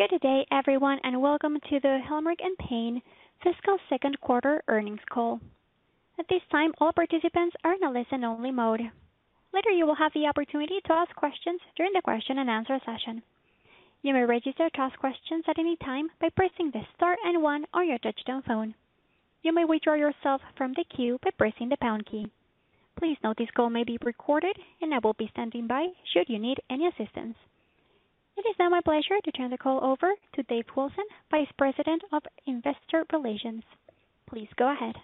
Good day everyone, and welcome to the Helmerich & Payne Fiscal Second Quarter Earnings Call. At this time, all participants are in a listen only mode. Later you will have the opportunity to ask questions during the question and answer session. You may register to ask questions at any time by pressing the star and one on your touchtone phone. You may withdraw yourself from the queue by pressing the pound key. Please note this call may be recorded and I will be standing by should you need any assistance. It is now my pleasure to turn the call over to Dave Wilson, Vice President of Investor Relations. Please go ahead.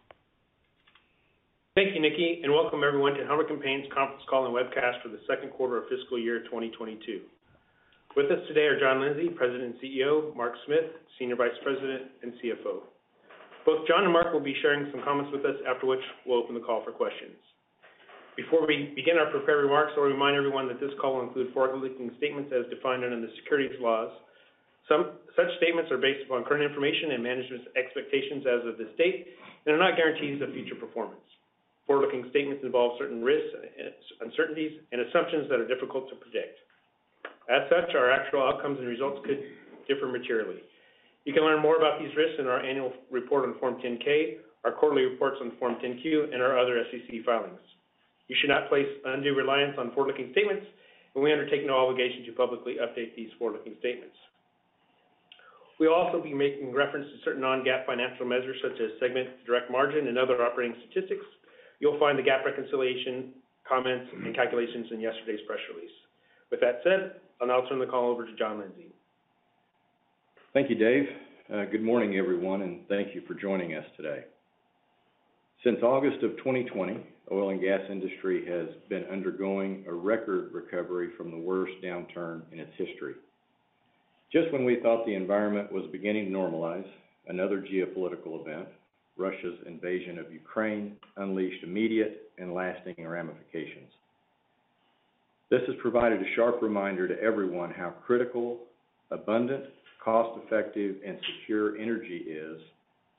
Thank you, Nikki, and welcome everyone to Helmerich & Payne's conference call and webcast for the second quarter of fiscal year 2022. With us today are John Lindsay, President and CEO, Mark Smith, Senior Vice President and CFO. Both John and Mark will be sharing some comments with us, after which we'll open the call for questions. Before we begin our prepared remarks, I'll remind everyone that this call will include forward-looking statements as defined under the securities laws. Such statements are based upon current information and management's expectations as of this date. They are not guarantees of future performance. Forward-looking statements involve certain risks, uncertainties and assumptions that are difficult to predict. As such, our actual outcomes and results could differ materially. You can learn more about these risks in our annual report on Form 10-K, our quarterly reports on Form 10-Q, and our other SEC filings. You should not place undue reliance on forward-looking statements, and we undertake no obligation to publicly update these forward-looking statements. We'll also be making reference to certain non-GAAP financial measures such as segment, direct margin and other operating statistics. You'll find the GAAP reconciliation, comments, and calculations in yesterday's press release. With that said, I'll now turn the call over to John Lindsay. Thank you, Dave. Good morning everyone, and thank you for joining us today. Since August of 2020, oil and gas industry has been undergoing a record recovery from the worst downturn in its history. Just when we thought the environment was beginning to normalize, another geopolitical event, Russia's invasion of Ukraine, unleashed immediate and lasting ramifications. This has provided a sharp reminder to everyone how critical, abundant, cost-effective, and secure energy is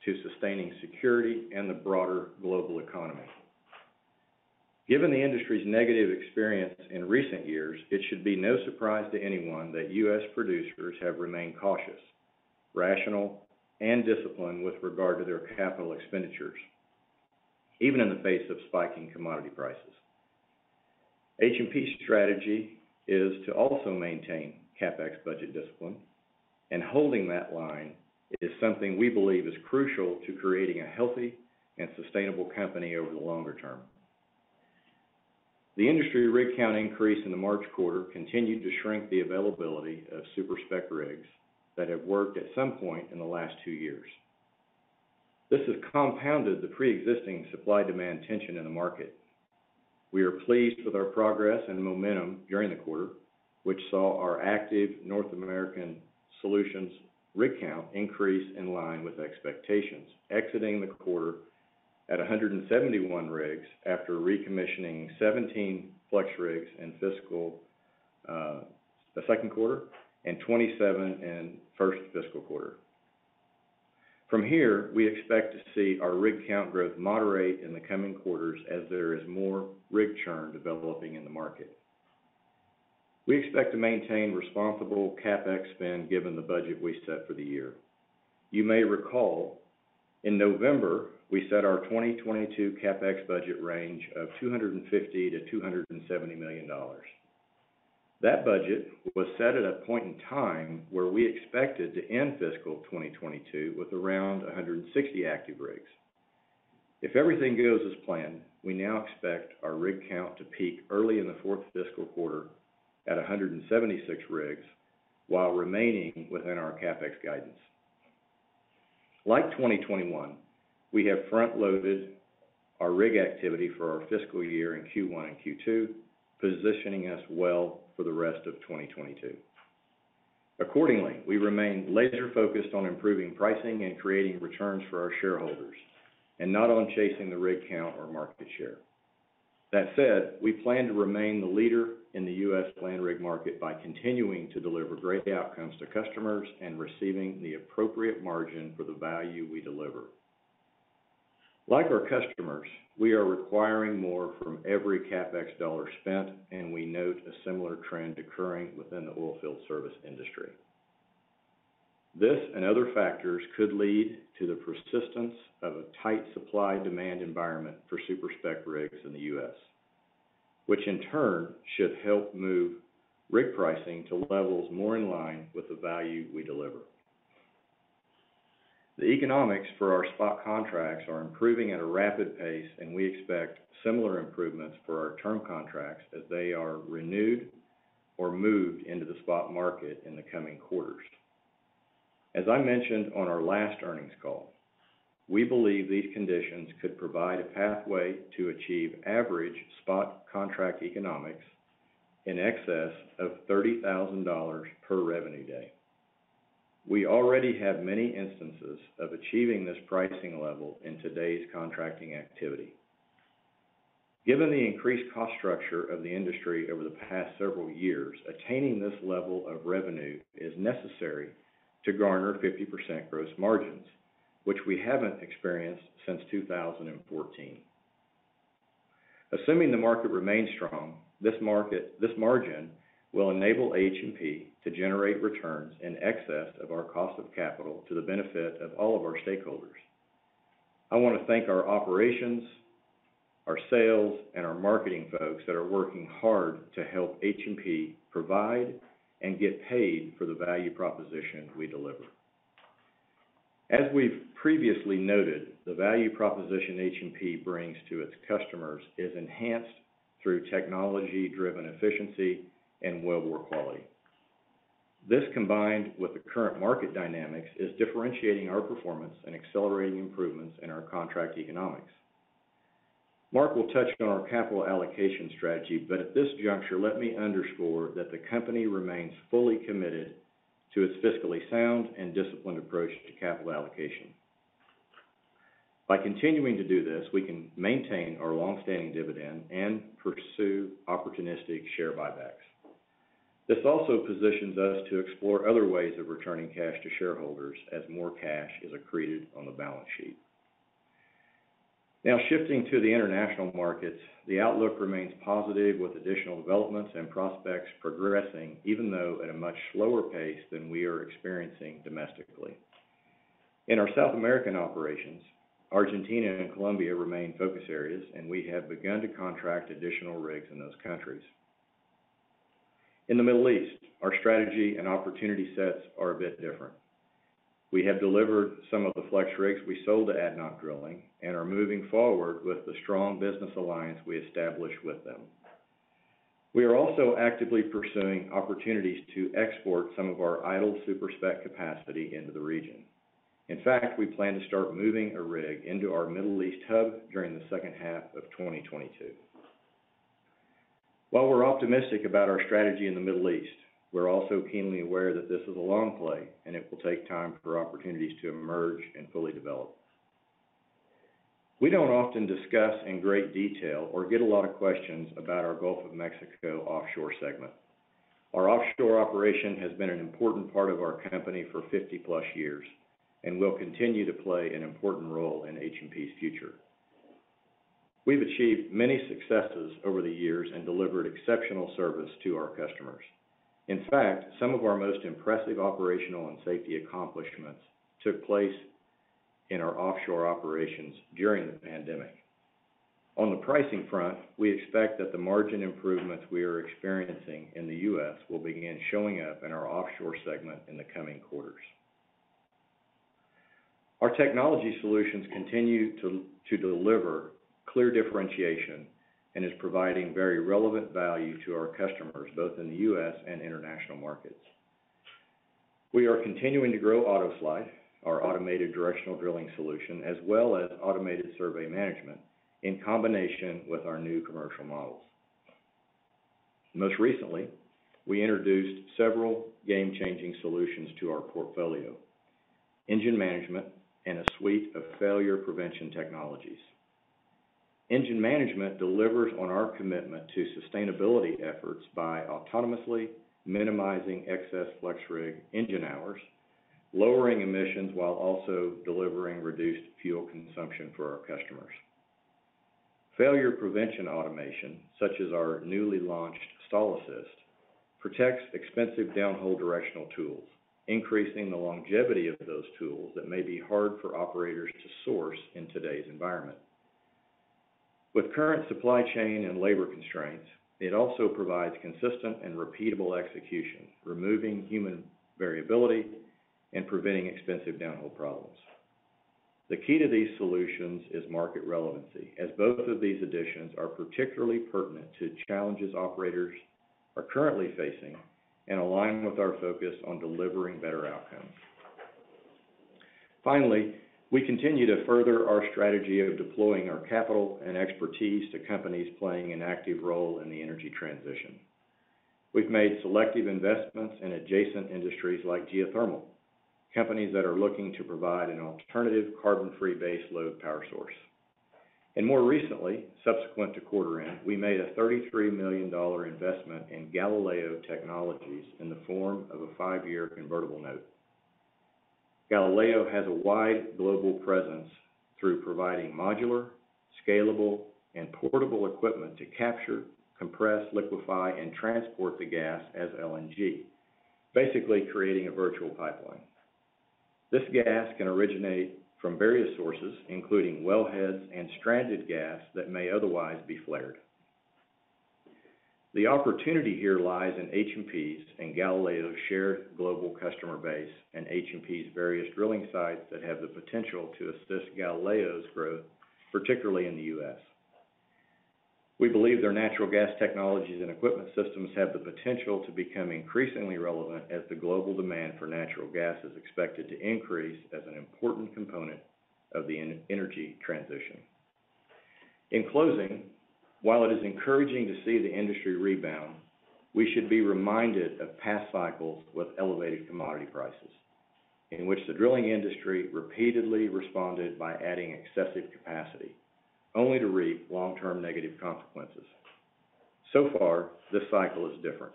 to sustaining security and the broader global economy. Given the industry's negative experience in recent years, it should be no surprise to anyone that U.S. producers have remained cautious, rational, and disciplined with regard to their capital expenditures, even in the face of spiking commodity prices. H&P's strategy is to also maintain CapEx budget discipline, and holding that line is something we believe is crucial to creating a healthy and sustainable company over the longer term. The industry rig count increase in the March quarter continued to shrink the availability of super-spec rigs that have worked at some point in the last two years. This has compounded the preexisting supply-demand tension in the market. We are pleased with our progress and momentum during the quarter, which saw our active North America Solutions rig count increase in line with expectations, exiting the quarter at 171 rigs after recommissioning 17 FlexRigs in fiscal, the second quarter and 27 in first fiscal quarter. From here, we expect to see our rig count growth moderate in the coming quarters as there is more rig churn developing in the market. We expect to maintain responsible CapEx spend given the budget we set for the year. You may recall in November, we set our 2022 CapEx budget range of $250 million-$270 million. That budget was set at a point in time where we expected to end fiscal 2022 with around 160 active rigs. If everything goes as planned, we now expect our rig count to peak early in the fourth fiscal quarter at 176 rigs while remaining within our CapEx guidance. Like 2021, we have front loaded our rig activity for our fiscal year in Q1 and Q2, positioning us well for the rest of 2022. Accordingly, we remain laser-focused on improving pricing and creating returns for our shareholders and not on chasing the rig count or market share. That said, we plan to remain the leader in the U.S. land rig market by continuing to deliver great outcomes to customers and receiving the appropriate margin for the value we deliver. Like our customers, we are requiring more from every CapEx dollar spent, and we note a similar trend occurring within the oilfield service industry. This and other factors could lead to the persistence of a tight supply-demand environment for super-spec rigs in the U.S., which in turn should help move rig pricing to levels more in line with the value we deliver. The economics for our spot contracts are improving at a rapid pace, and we expect similar improvements for our term contracts as they are renewed or moved into the spot market in the coming quarters. As I mentioned on our last earnings call, we believe these conditions could provide a pathway to achieve average spot contract economics in excess of $30,000 per revenue day. We already have many instances of achieving this pricing level in today's contracting activity. Given the increased cost structure of the industry over the past several years, attaining this level of revenue is necessary to garner 50% gross margins, which we haven't experienced since 2014. Assuming the market remains strong, this margin will enable H&P to generate returns in excess of our cost of capital to the benefit of all of our stakeholders. I wanna thank our operations, our sales, and our marketing folks that are working hard to help H&P provide and get paid for the value proposition we deliver. As we've previously noted, the value proposition H&P brings to its customers is enhanced through technology-driven efficiency and wellbore quality. This, combined with the current market dynamics, is differentiating our performance and accelerating improvements in our contract economics. Mark will touch on our capital allocation strategy, but at this juncture, let me underscore that the company remains fully committed to its fiscally sound and disciplined approach to capital allocation. By continuing to do this, we can maintain our long-standing dividend and pursue opportunistic share buybacks. This also positions us to explore other ways of returning cash to shareholders as more cash is accreted on the balance sheet. Now shifting to the international markets, the outlook remains positive with additional developments and prospects progressing, even though at a much slower pace than we are experiencing domestically. In our South American operations, Argentina and Colombia remain focus areas, and we have begun to contract additional rigs in those countries. In the Middle East, our strategy and opportunity sets are a bit different. We have delivered some of the FlexRigs we sold to ADNOC Drilling, and are moving forward with the strong business alliance we established with them. We are also actively pursuing opportunities to export some of our idle super-spec capacity into the region. In fact, we plan to start moving a rig into our Middle East hub during the second half of 2022. While we're optimistic about our strategy in the Middle East, we're also keenly aware that this is a long play, and it will take time for opportunities to emerge and fully develop. We don't often discuss in great detail or get a lot of questions about our Gulf of Mexico offshore segment. Our offshore operation has been an important part of our company for 50+ years and will continue to play an important role in H&P's future. We've achieved many successes over the years and delivered exceptional service to our customers. In fact, some of our most impressive operational and safety accomplishments took place in our offshore operations during the pandemic. On the pricing front, we expect that the margin improvements we are experiencing in the U.S. will begin showing up in our offshore segment in the coming quarters. Our technology solutions continue to deliver clear differentiation and is providing very relevant value to our customers, both in the U.S. and international markets. We are continuing to grow AutoSlide, our automated directional drilling solution, as well as automated survey management, in combination with our new commercial models. Most recently, we introduced several game-changing solutions to our portfolio, Engine Management, and a suite of failure prevention technologies. Engine Management delivers on our commitment to sustainability efforts by autonomously minimizing excess FlexRig engine hours, lowering emissions, while also delivering reduced fuel consumption for our customers. Failure prevention automation, such as our newly launched StallAssist, protects expensive downhole directional tools, increasing the longevity of those tools that may be hard for operators to source in today's environment. With current supply chain and labor constraints, it also provides consistent and repeatable execution, removing human variability and preventing expensive downhole problems. The key to these solutions is market relevancy, as both of these additions are particularly pertinent to challenges operators are currently facing and align with our focus on delivering better outcomes. Finally, we continue to further our strategy of deploying our capital and expertise to companies playing an active role in the energy transition. We've made selective investments in adjacent industries like geothermal, companies that are looking to provide an alternative carbon-free base load power source. More recently, subsequent to quarter end, we made a $33 million investment in Galileo Technologies in the form of a five-year convertible note. Galileo Technologies has a wide global presence through providing modular, scalable, and portable equipment to capture, compress, liquefy, and transport the gas as LNG, basically creating a virtual pipeline. This gas can originate from various sources, including wellheads and stranded gas that may otherwise be flared. The opportunity here lies in H&P's and Galileo's shared global customer base and H&P's various drilling sites that have the potential to assist Galileo's growth, particularly in the U.S. We believe their natural gas technologies and equipment systems have the potential to become increasingly relevant as the global demand for natural gas is expected to increase as an important component of the energy transition. In closing, while it is encouraging to see the industry rebound, we should be reminded of past cycles with elevated commodity prices in which the drilling industry repeatedly responded by adding excessive capacity, only to reap long-term negative consequences. So far, this cycle is different.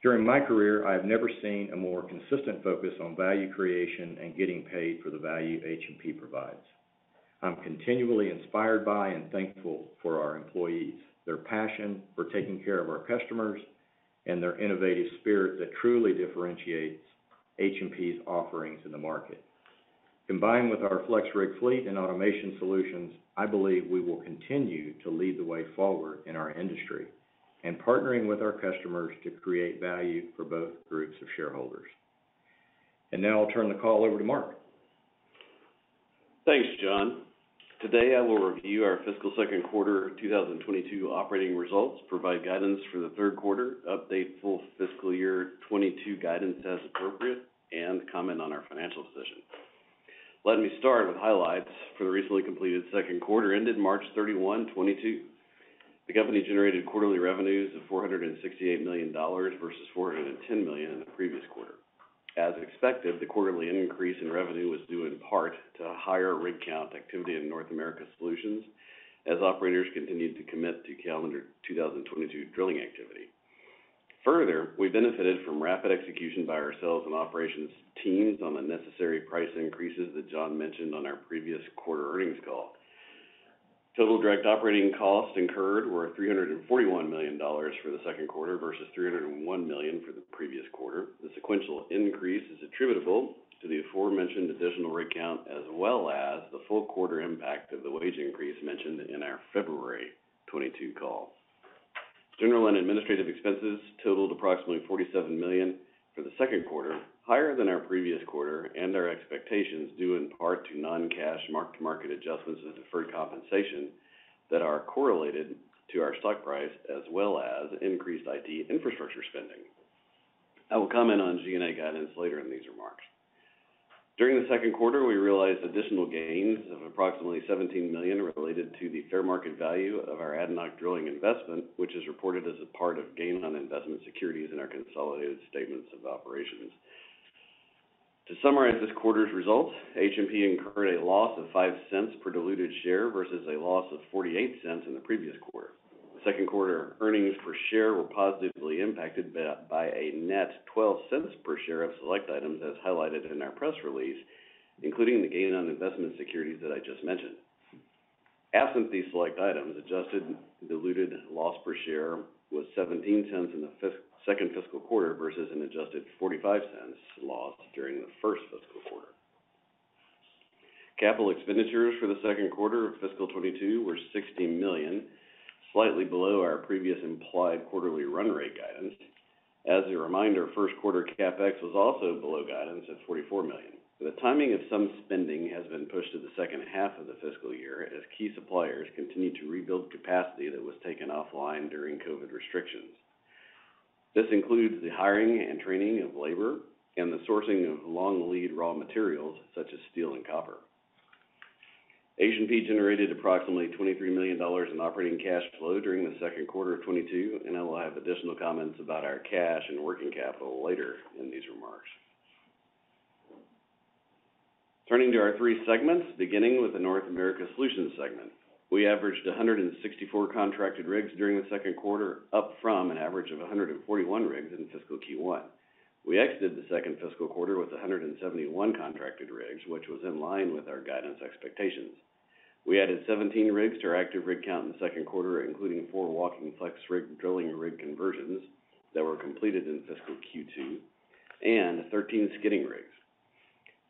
During my career, I have never seen a more consistent focus on value creation and getting paid for the value H&P provides. I'm continually inspired by and thankful for our employees, their passion for taking care of our customers, and their innovative spirit that truly differentiates H&P's offerings in the market. Combined with our FlexRig fleet and automation solutions, I believe we will continue to lead the way forward in our industry and partnering with our customers to create value for both groups of shareholders. Now I'll turn the call over to Mark. Thanks, John. Today, I will review our fiscal second quarter 2022 operating results, provide guidance for the third quarter, update full fiscal year 2022 guidance as appropriate, and comment on our financial position. Let me start with highlights for the recently completed second quarter ended March 31, 2022. The company generated quarterly revenues of $468 million versus $410 million in the previous quarter. As expected, the quarterly increase in revenue was due in part to higher rig count activity in North America Solutions as operators continued to commit to calendar 2022 drilling activity. Further, we benefited from rapid execution by our sales and operations teams on the necessary price increases that John mentioned on our previous quarter earnings call. Total direct operating costs incurred were $341 million for the second quarter versus $301 million for the previous quarter. The sequential increase is attributable to the aforementioned additional rig count, as well as the full quarter impact of the wage increase mentioned in our February 2022 call. General and administrative expenses totaled approximately $47 million for the second quarter, higher than our previous quarter and our expectations due in part to non-cash market adjustments and deferred compensation that are correlated to our stock price as well as increased IT infrastructure spending. I will comment on G&A guidance later in these remarks. During the second quarter, we realized additional gains of approximately $17 million related to the fair market value of our ADNOC Drilling investment, which is reported as a part of gain on investment securities in our consolidated statements of operations. To summarize this quarter's results, H&P incurred a loss of $0.05 per diluted share versus a loss of $0.48 in the previous quarter. The second quarter earnings per share were positively impacted by a net $0.12 per share of select items, as highlighted in our press release, including the gain on investment securities that I just mentioned. Absent these select items, adjusted diluted loss per share was $0.17 in the second fiscal quarter versus an adjusted $0.45 loss during the first fiscal quarter. Capital expenditures for the second quarter of fiscal 2022 were $60 million, slightly below our previous implied quarterly run rate guidance. As a reminder, first quarter CapEx was also below guidance at $44 million. The timing of some spending has been pushed to the second half of the fiscal year as key suppliers continue to rebuild capacity that was taken offline during COVID restrictions. This includes the hiring and training of labor and the sourcing of long lead raw materials such as steel and copper. H&P generated approximately $23 million in operating cash flow during the second quarter of 2022, and I will have additional comments about our cash and working capital later in these remarks. Turning to our three segments, beginning with the North America Solutions segment. We averaged 164 contracted rigs during the second quarter, up from an average of 141 rigs in fiscal Q1. We exited the second fiscal quarter with 171 contracted rigs, which was in line with our guidance expectations. We added 17 rigs to our active rig count in the second quarter, including four walking FlexRig drilling rig conversions that were completed in fiscal Q2 and 13 skidding rigs.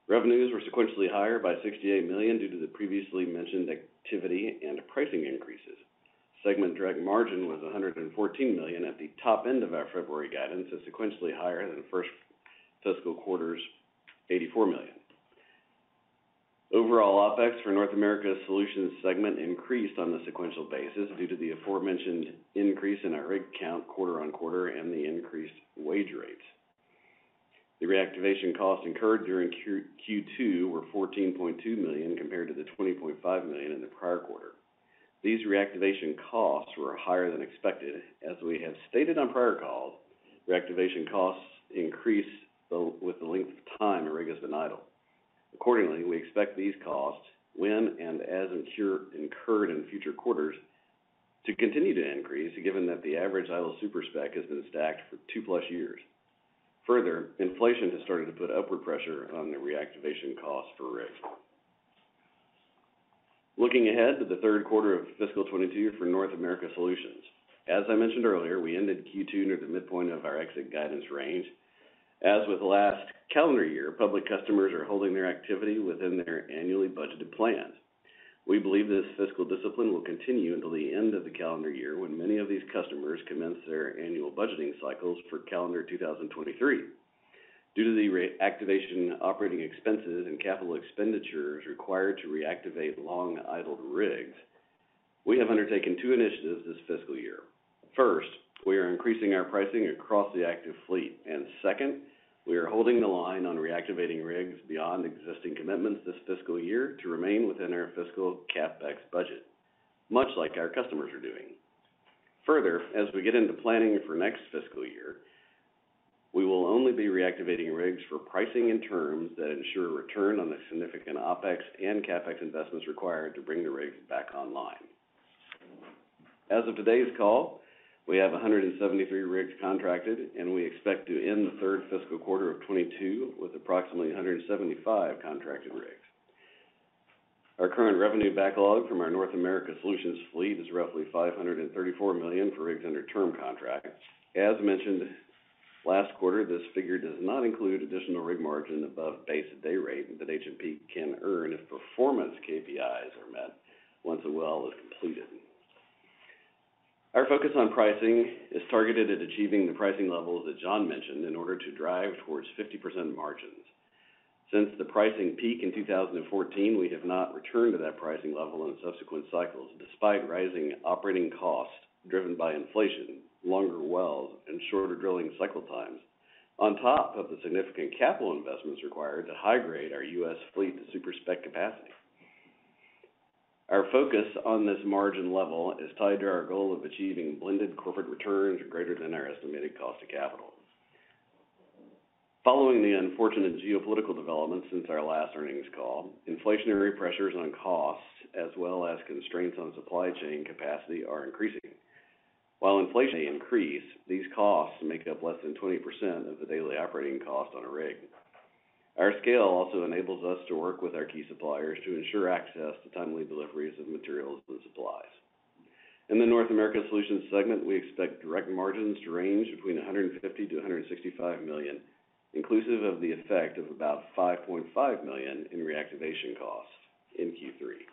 Revenues were sequentially higher by $68 million due to the previously mentioned activity and pricing increases. Segment direct margin was $114 million at the top end of our February guidance, is sequentially higher than the first fiscal quarter's $84 million. Overall, OpEx for North America Solutions segment increased on a sequential basis due to the aforementioned increase in our rig count quarter-over-quarter and the increased wage rates. The reactivation costs incurred during Q2 were $14.2 million compared to the $20.5 million in the prior quarter. These reactivation costs were higher than expected. As we have stated on prior calls, reactivation costs increase with the length of time a rig has been idle. Accordingly, we expect these costs when and as incurred in future quarters to continue to increase, given that the average idle super-spec has been stacked for 2+ years. Further, inflation has started to put upward pressure on the reactivation cost for rigs. Looking ahead to the third quarter of fiscal 2022 for North America Solutions. As I mentioned earlier, we ended Q2 near the midpoint of our exit guidance range. As with last calendar year, public customers are holding their activity within their annually budgeted plans. We believe this fiscal discipline will continue until the end of the calendar year, when many of these customers commence their annual budgeting cycles for calendar 2023. Due to the reactivation operating expenses and capital expenditures required to reactivate long-idled rigs, we have undertaken two initiatives this fiscal year. First, we are increasing our pricing across the active fleet. Second, we are holding the line on reactivating rigs beyond existing commitments this fiscal year to remain within our fiscal CapEx budget, much like our customers are doing. Further, as we get into planning for next fiscal year, we will only be reactivating rigs for pricing and terms that ensure a return on the significant OpEx and CapEx investments required to bring the rigs back online. As of today's call, we have 173 rigs contracted, and we expect to end the third fiscal quarter of 2022 with approximately 175 contracted rigs. Our current revenue backlog from our North America Solutions fleet is roughly $534 million for rigs under term contract. As mentioned last quarter, this figure does not include additional rig margin above base day rate that H&P can earn if performance KPIs are met once a well is completed. Our focus on pricing is targeted at achieving the pricing levels that John mentioned in order to drive towards 50% margins. Since the pricing peak in 2014, we have not returned to that pricing level in subsequent cycles, despite rising operating costs driven by inflation, longer wells, and shorter drilling cycle times. On top of the significant capital investments required to high-grade our U.S. fleet to super-spec capacity. Our focus on this margin level is tied to our goal of achieving blended corporate returns greater than our estimated cost of capital. Following the unfortunate geopolitical developments since our last earnings call, inflationary pressures on costs as well as constraints on supply chain capacity are increasing. While inflation may increase, these costs make up less than 20% of the daily operating cost on a rig. Our scale also enables us to work with our key suppliers to ensure access to timely deliveries of materials and supplies. In the North America Solutions segment, we expect direct margins to range between $150 million to $165 million, inclusive of the effect of about $5.5 million in reactivation costs in Q3.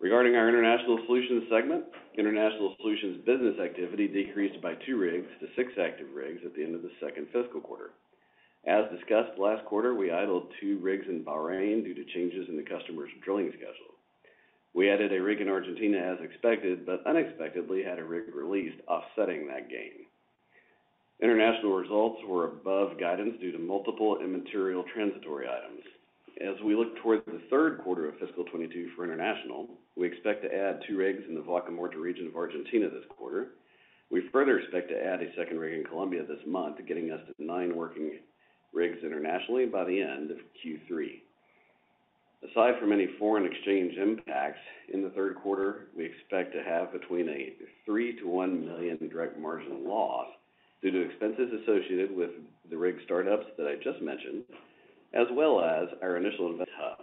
Regarding our International Solutions segment, International Solutions business activity decreased by two rigs to six active rigs at the end of the second fiscal quarter. As discussed last quarter, we idled two rigs in Bahrain due to changes in the customer's drilling schedule. We added a rig in Argentina as expected, but unexpectedly had a rig released offsetting that gain. International results were above guidance due to multiple immaterial transitory items. As we look towards the third quarter of fiscal 2022 for international, we expect to add two rigs in the Vaca Muerta region of Argentina this quarter. We further expect to add a second rig in Colombia this month, getting us to nine working rigs internationally by the end of Q3. Aside from any foreign exchange impacts, in the third quarter, we expect to have between $3 million-$1 million direct margin loss due to expenses associated with the rig startups that I just mentioned, as well as our initial innovation hub.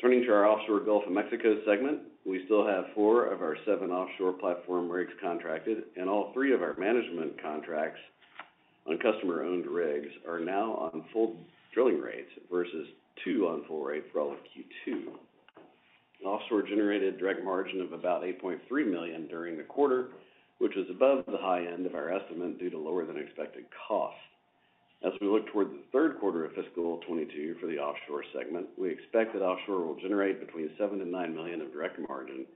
Turning to our Offshore Gulf of Mexico segment, we still have four of our seven offshore platform rigs contracted, and all three of our management contracts on customer-owned rigs are now on full drilling rates versus two on full rate throughout Q2. Offshore generated direct margin of about $8.3 million during the quarter, which is above the high end of our estimate due to lower than expected costs. As we look toward the third quarter of fiscal 2022 for the offshore segment, we expect that offshore will generate between $7 million and $9 million of direct margin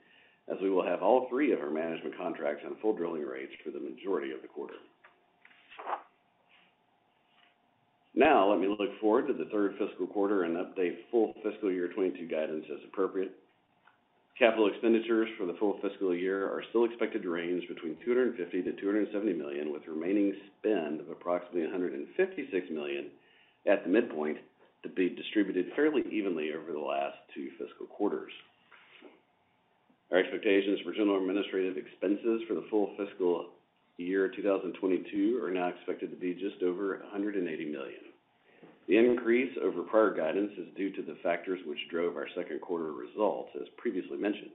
as we will have all three of our management contracts on full drilling rates for the majority of the quarter. Now, let me look forward to the third fiscal quarter and update full fiscal year 2022 guidance as appropriate. CapEx for the full fiscal year are still expected to range between $250 million-$270 million, with remaining spend of approximately $156 million at the midpoint to be distributed fairly evenly over the last two fiscal quarters. Our expectations for G&A for the full fiscal year 2022 are now expected to be just over $180 million. The increase over prior guidance is due to the factors which drove our second quarter results, as previously mentioned.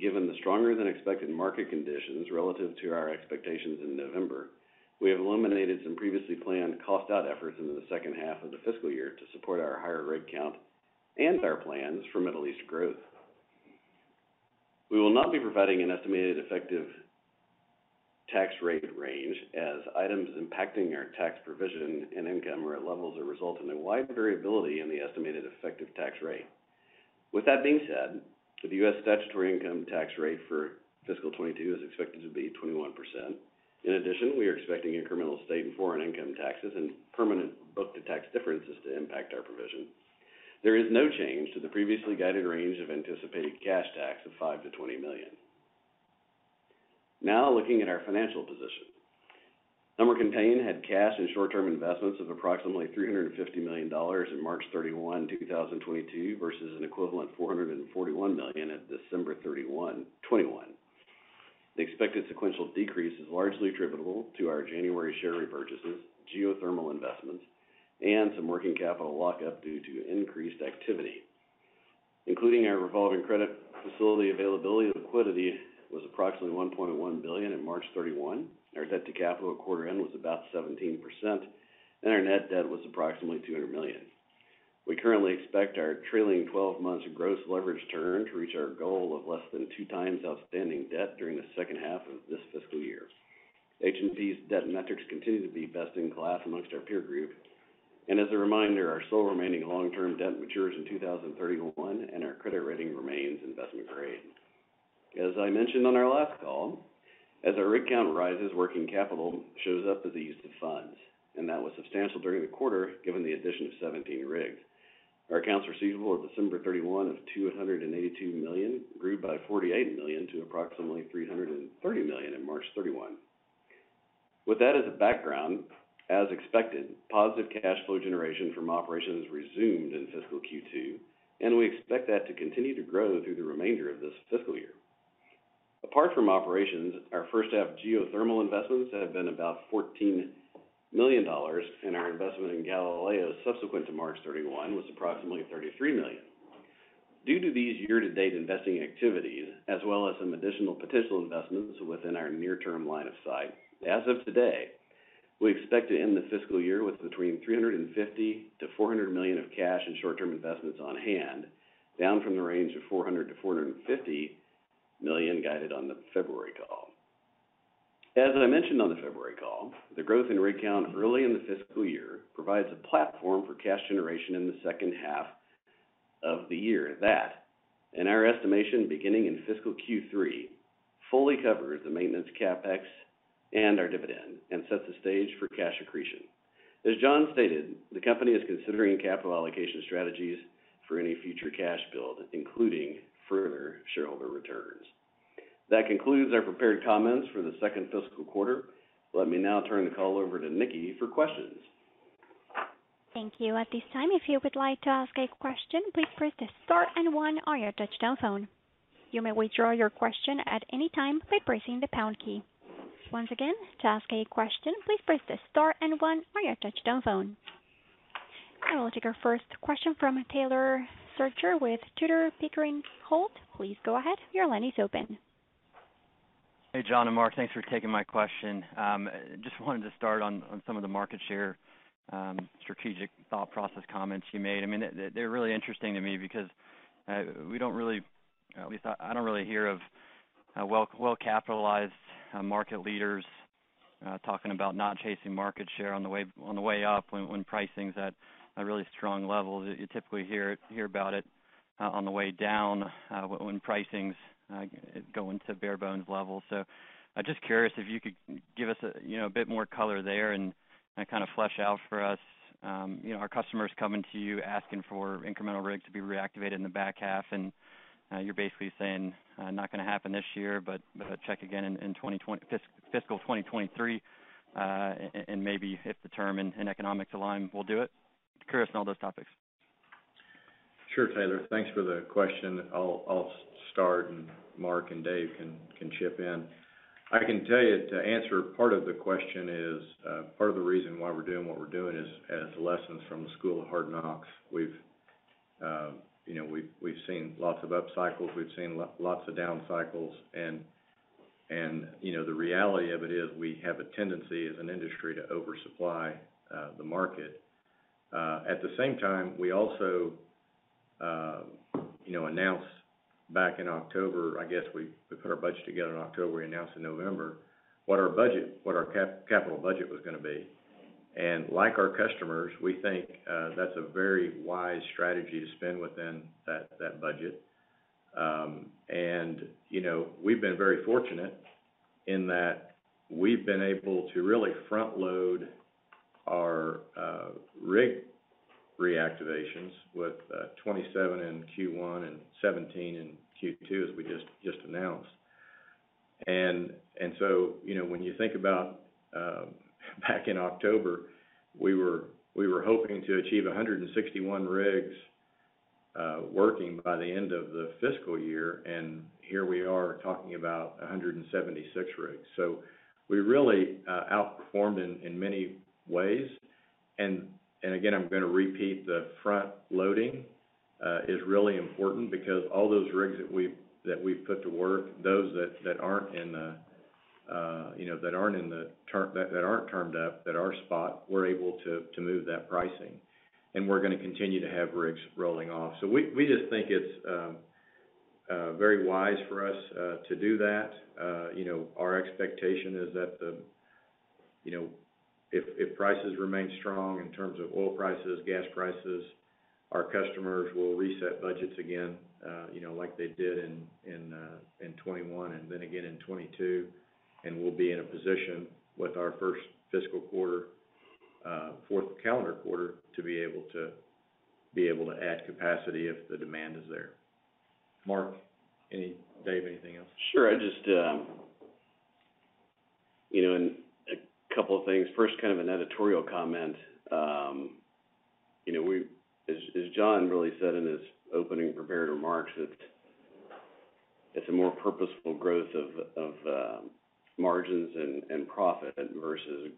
Given the stronger than expected market conditions relative to our expectations in November, we have eliminated some previously planned cost out efforts into the second half of the fiscal year to support our higher rig count and our plans for Middle East growth. We will not be providing an estimated effective tax rate range as items impacting our tax provision and income are at levels that result in a wide variability in the estimated effective tax rate. With that being said, the US statutory income tax rate for fiscal 2022 is expected to be 21%. In addition, we are expecting incremental state and foreign income taxes and permanent book to tax differences to impact our provision. There is no change to the previously guided range of anticipated cash tax of $5 million-$20 million. Now looking at our financial position. H&P had cash and short-term investments of approximately $350 million in March 31, 2022 versus an equivalent $441 million at December 31, 2021. The expected sequential decrease is largely attributable to our January share repurchases, geothermal investments, and some working capital lockup due to increased activity. Including our revolving credit facility availability, the liquidity was approximately $1.1 billion on March 31. Our debt-to-capital at quarter-end was about 17%, and our net debt was approximately $200 million. We currently expect our trailing twelve months gross leverage to EBITDA to reach our goal of less than 2x outstanding debt during the second half of this fiscal year. H&P's debt metrics continue to be best-in-class among our peer group. As a reminder, our sole remaining long-term debt matures in 2031, and our credit rating remains investment grade. As I mentioned on our last call, as our rig count rises, working capital shows up as a use of funds, and that was substantial during the quarter given the addition of 17 rigs. Our accounts receivable as of December 31 of $282 million grew by $48 million to approximately $330 million as of March 31. With that as a background, as expected, positive cash flow generation from operations resumed in fiscal Q2, and we expect that to continue to grow through the remainder of this fiscal year. Apart from operations, our first half geothermal investments have been about $14 million, and our investment in Galileo subsequent to March 31 was approximately $33 million. Due to these year-to-date investing activities, as well as some additional potential investments within our near-term line of sight, as of today, we expect to end the fiscal year with between $350 million-$400 million of cash and short-term investments on hand, down from the range of $400 million-$450 million guided on the February call. As I mentioned on the February call, the growth in rig count early in the fiscal year provides a platform for cash generation in the second half of the year that, in our estimation, beginning in fiscal Q3, fully covers the maintenance CapEx and our dividend and sets the stage for cash accretion. As John stated, the company is considering capital allocation strategies for any future cash build, including further shareholder returns. That concludes our prepared comments for the second fiscal quarter. Let me now turn the call over to Nikki for questions. Thank you. At this time, if you would like to ask a question, please press the star and one on your touchtone phone. You may withdraw your question at any time by pressing the pound key. Once again, to ask a question, please press the star and one on your touchtone phone. I will take our first question from Taylor Zurcher with Tudor, Pickering, Holt & Co. Please go ahead. Your line is open. Hey, John and Mark, thanks for taking my question. Just wanted to start on some of the market share, strategic thought process comments you made. I mean, they're really interesting to me because, at least I don't really hear of well-capitalized market leaders talking about not chasing market share on the way up when pricing's at a really strong level. You typically hear about it on the way down when pricing's going into bare-bones level. I'm just curious if you could give us a, you know, a bit more color there and kind of flesh out for us, you know, our customers coming to you asking for incremental rigs to be reactivated in the back half, and you're basically saying not gonna happen this year, but check again in fiscal 2023, and maybe if the term and economics align, we'll do it. Curious on all those topics. Sure, Taylor. Thanks for the question. I'll start, and Mark and Dave can chip in. I can tell you, the answer to part of the question is part of the reason why we're doing what we're doing is the lessons from the School of Hard Knocks. You know, we've seen lots of up cycles. We've seen lots of down cycles, and you know, the reality of it is we have a tendency as an industry to oversupply the market. At the same time, we also you know, announced back in October. I guess we put our budget together in October. We announced in November what our capital budget was gonna be. Like our customers, we think that's a very wise strategy to spend within that budget. you know, we've been very fortunate in that we've been able to really front load our rig reactivations with 27 in Q1 and 17 in Q2, as we just announced. you know, when you think about back in October, we were hoping to achieve 161 rigs working by the end of the fiscal year, and here we are talking about 176 rigs. So we really outperformed in many ways. again, I'm gonna repeat the front loading is really important because all those rigs that we've put to work, those that aren't in the, you know, that aren't termed up, that are spot, we're able to move that pricing. We're gonna continue to have rigs rolling off. We just think it's very wise for us to do that. You know, our expectation is that, you know, if prices remain strong in terms of oil prices, gas prices, our customers will reset budgets again, you know, like they did in 2021 and then again in 2022, and we'll be in a position with our first fiscal quarter, fourth calendar quarter to be able to add capacity if the demand is there. Mark, Dave, anything else? Sure. I just you know a couple of things. First, kind of an editorial comment. You know, as John really said in his opening prepared remarks that it's a more purposeful growth of margins and profit versus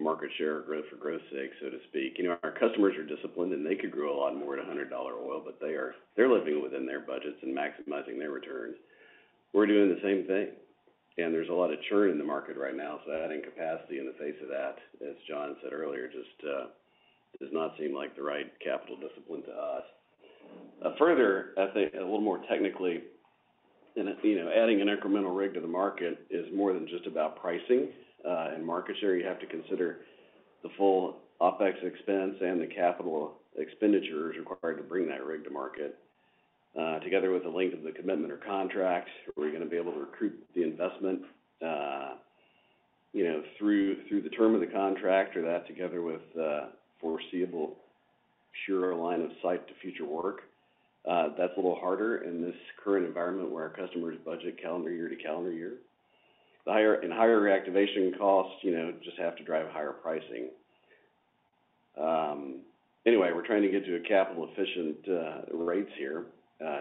market share growth for growth's sake, so to speak. You know, our customers are disciplined, and they could grow a lot more at $100 oil, but they're living within their budgets and maximizing their returns. We're doing the same thing. There's a lot of churn in the market right now. Adding capacity in the face of that, as John said earlier, just does not seem like the right capital discipline to us. Further, I think a little more technically, and you know, adding an incremental rig to the market is more than just about pricing. In market share, you have to consider the full OpEx expense and the capital expenditures required to bring that rig to market, together with the length of the commitment or contract. Are we gonna be able to recoup the investment, you know, through the term of the contract or that together with, foreseeable Sure line of sight to future work. That's a little harder in this current environment where our customers budget calendar year to calendar year. The higher reactivation costs, you know, just have to drive higher pricing. Anyway, we're trying to get to a capital-efficient rates here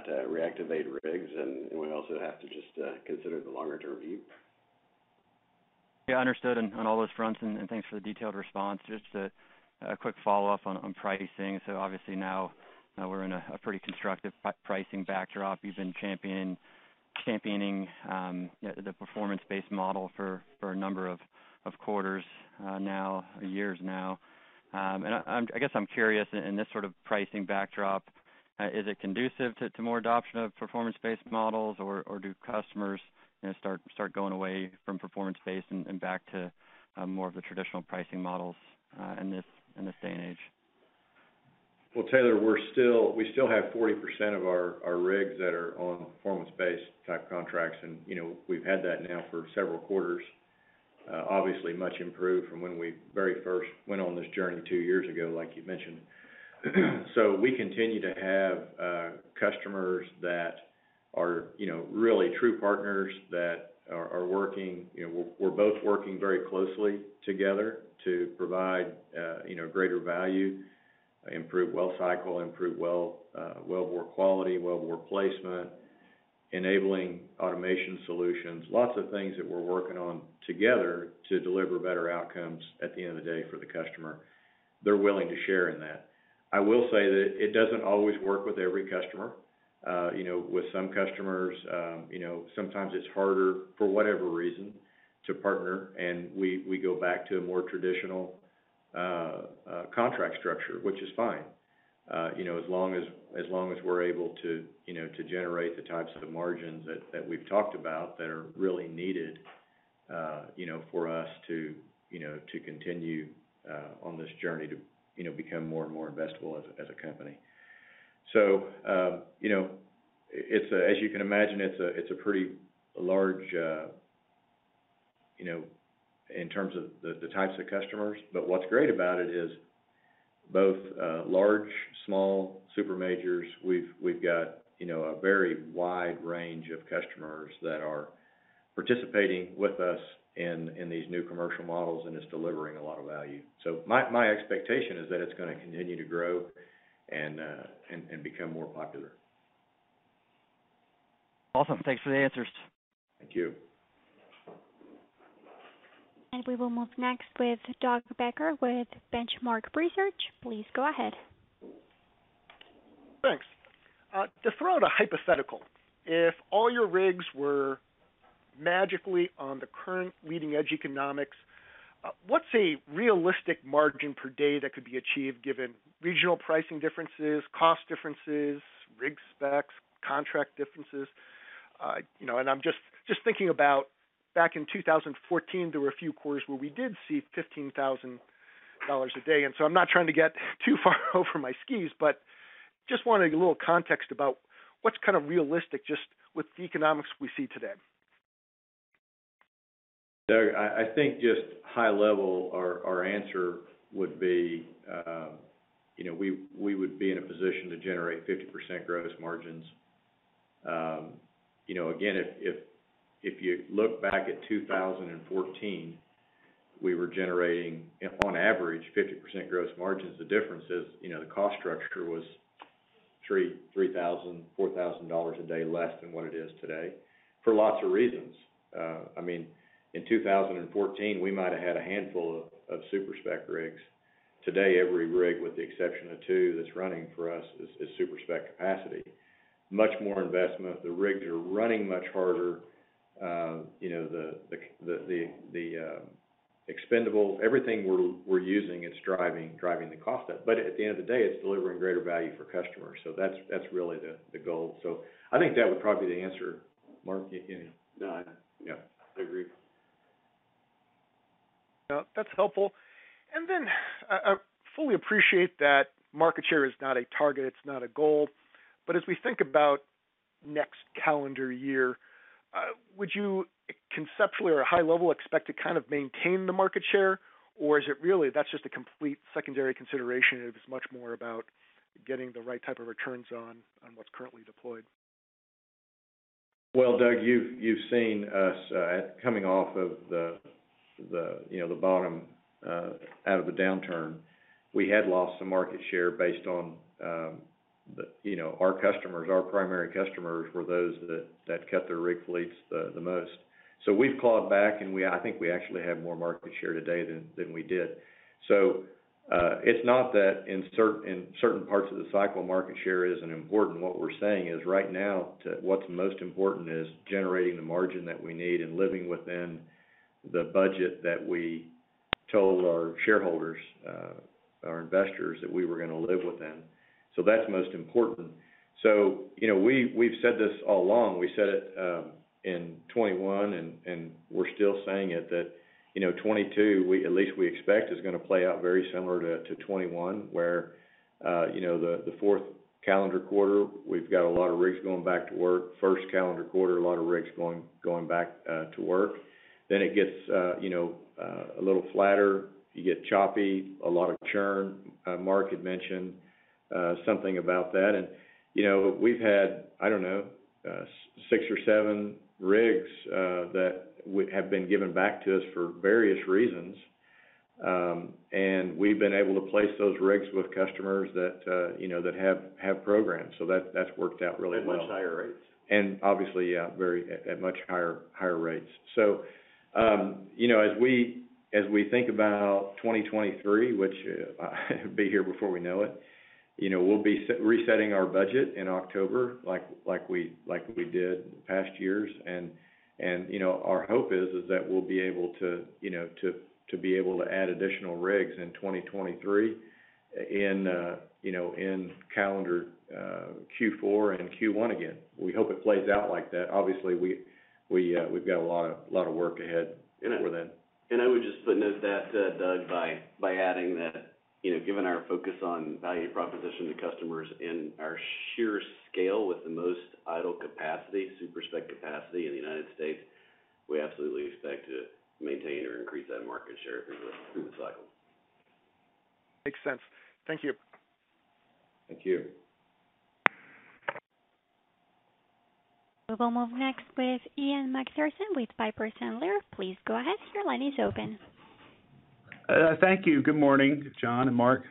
to reactivate rigs, and we also have to just consider the longer-term view. Yeah, understood on all those fronts, and thanks for the detailed response. Just a quick follow-up on pricing. Obviously now we're in a pretty constructive pricing backdrop. You've been championing the performance-based model for a number of quarters or years now. I guess I'm curious in this sort of pricing backdrop, is it conducive to more adoption of performance-based models or do customers, you know, start going away from performance-based and back to more of the traditional pricing models in this day and age? Well, Taylor, we still have 40% of our rigs that are on performance-based type contracts and, you know, we've had that now for several quarters. Obviously much improved from when we very first went on this journey 2 years ago, like you mentioned. We continue to have customers that are, you know, really true partners that are working. You know, we're both working very closely together to provide, you know, greater value, improve well cycle, improve well work quality, well work placement, enabling automation solutions, lots of things that we're working on together to deliver better outcomes at the end of the day for the customer. They're willing to share in that. I will say that it doesn't always work with every customer. You know, with some customers, you know, sometimes it's harder for whatever reason to partner, and we go back to a more traditional contract structure, which is fine. You know, as long as we're able to, you know, to generate the types of margins that we've talked about that are really needed, you know, for us to, you know, to continue on this journey to, you know, become more and more investable as a company. As you can imagine, it's a pretty large, you know, in terms of the types of customers. What's great about it is both large, small, super majors, we've got, you know, a very wide range of customers that are participating with us in these new commercial models, and it's delivering a lot of value. My expectation is that it's gonna continue to grow and become more popular. Awesome. Thanks for the answers. Thank you. We will move next with Douglas Becker with Benchmark Research. Please go ahead. Thanks. To throw out a hypothetical, if all your rigs were magically on the current leading-edge economics, what's a realistic margin per day that could be achieved given regional pricing differences, cost differences, rig specs, contract differences? You know, I'm just thinking about back in 2014, there were a few quarters where we did see $15,000 a day, and so I'm not trying to get too far over my skis, but just wanted a little context about what's kind of realistic just with the economics we see today. Doug, I think just high level our answer would be, you know, we would be in a position to generate 50% gross margins. You know, again, if you look back at 2014, we were generating on average 50% gross margins. The difference is, you know, the cost structure was $3,000-$4,000 a day less than what it is today for lots of reasons. I mean, in 2014, we might have had a handful of super-spec rigs. Today, every rig, with the exception of 2 that's running for us is super-spec capacity. Much more investment. The rigs are running much harder. You know, the expendables everything we're using is driving the cost up. At the end of the day, it's delivering greater value for customers. That's really the goal. I think that would probably be the answer. Mark, you No. Yeah. I agree. Yeah. That's helpful. Then, fully appreciate that market share is not a target, it's not a goal. But as we think about next calendar year, would you conceptually or high level expect to kind of maintain the market share, or is it really that's just a complete secondary consideration, and it's much more about getting the right type of returns on what's currently deployed? Well, Doug, you've seen us coming off of you know, the bottom out of the downturn. We had lost some market share based on you know, our customers. Our primary customers were those that cut their rig fleets the most. We've clawed back, and I think we actually have more market share today than we did. It's not that in certain parts of the cycle, market share isn't important. What we're saying is right now, what's most important is generating the margin that we need and living within the budget that we told our shareholders, our investors that we were gonna live within. That's most important. You know, we've said this all along. We said it in 2021 and we're still saying it that, you know, 2022, at least we expect, is gonna play out very similar to 2021, where you know the fourth calendar quarter, we've got a lot of rigs going back to work. First calendar quarter, a lot of rigs going back to work. Then it gets you know a little flatter. You get choppy, a lot of churn. Mark had mentioned something about that. You know, we've had, I don't know, six or seven rigs that have been given back to us for various reasons, and we've been able to place those rigs with customers that you know that have programs. So that's worked out really well. At much higher rates. Obviously, yeah, at much higher rates. You know, as we think about 2023, which will be here before we know it, you know, we'll be resetting our budget in October like we did past years. You know, our hope is that we'll be able to, you know, to be able to add additional rigs in 2023 in, you know, in calendar Q4 and Q1 again. We hope it plays out like that. Obviously, we've got a lot of work ahead. And I- for that. I'd just note that, Doug, by adding that, you know, given our focus on value proposition to customers and our sheer scale with the most idle capacity, super-spec capacity in the United States, we absolutely expect to maintain or increase that market share through the cycle. Makes sense. Thank you. Thank you. We'll move next with Ian MacPherson with Piper Sandler. Please go ahead. Your line is open. Thank you. Good morning, John and Mark.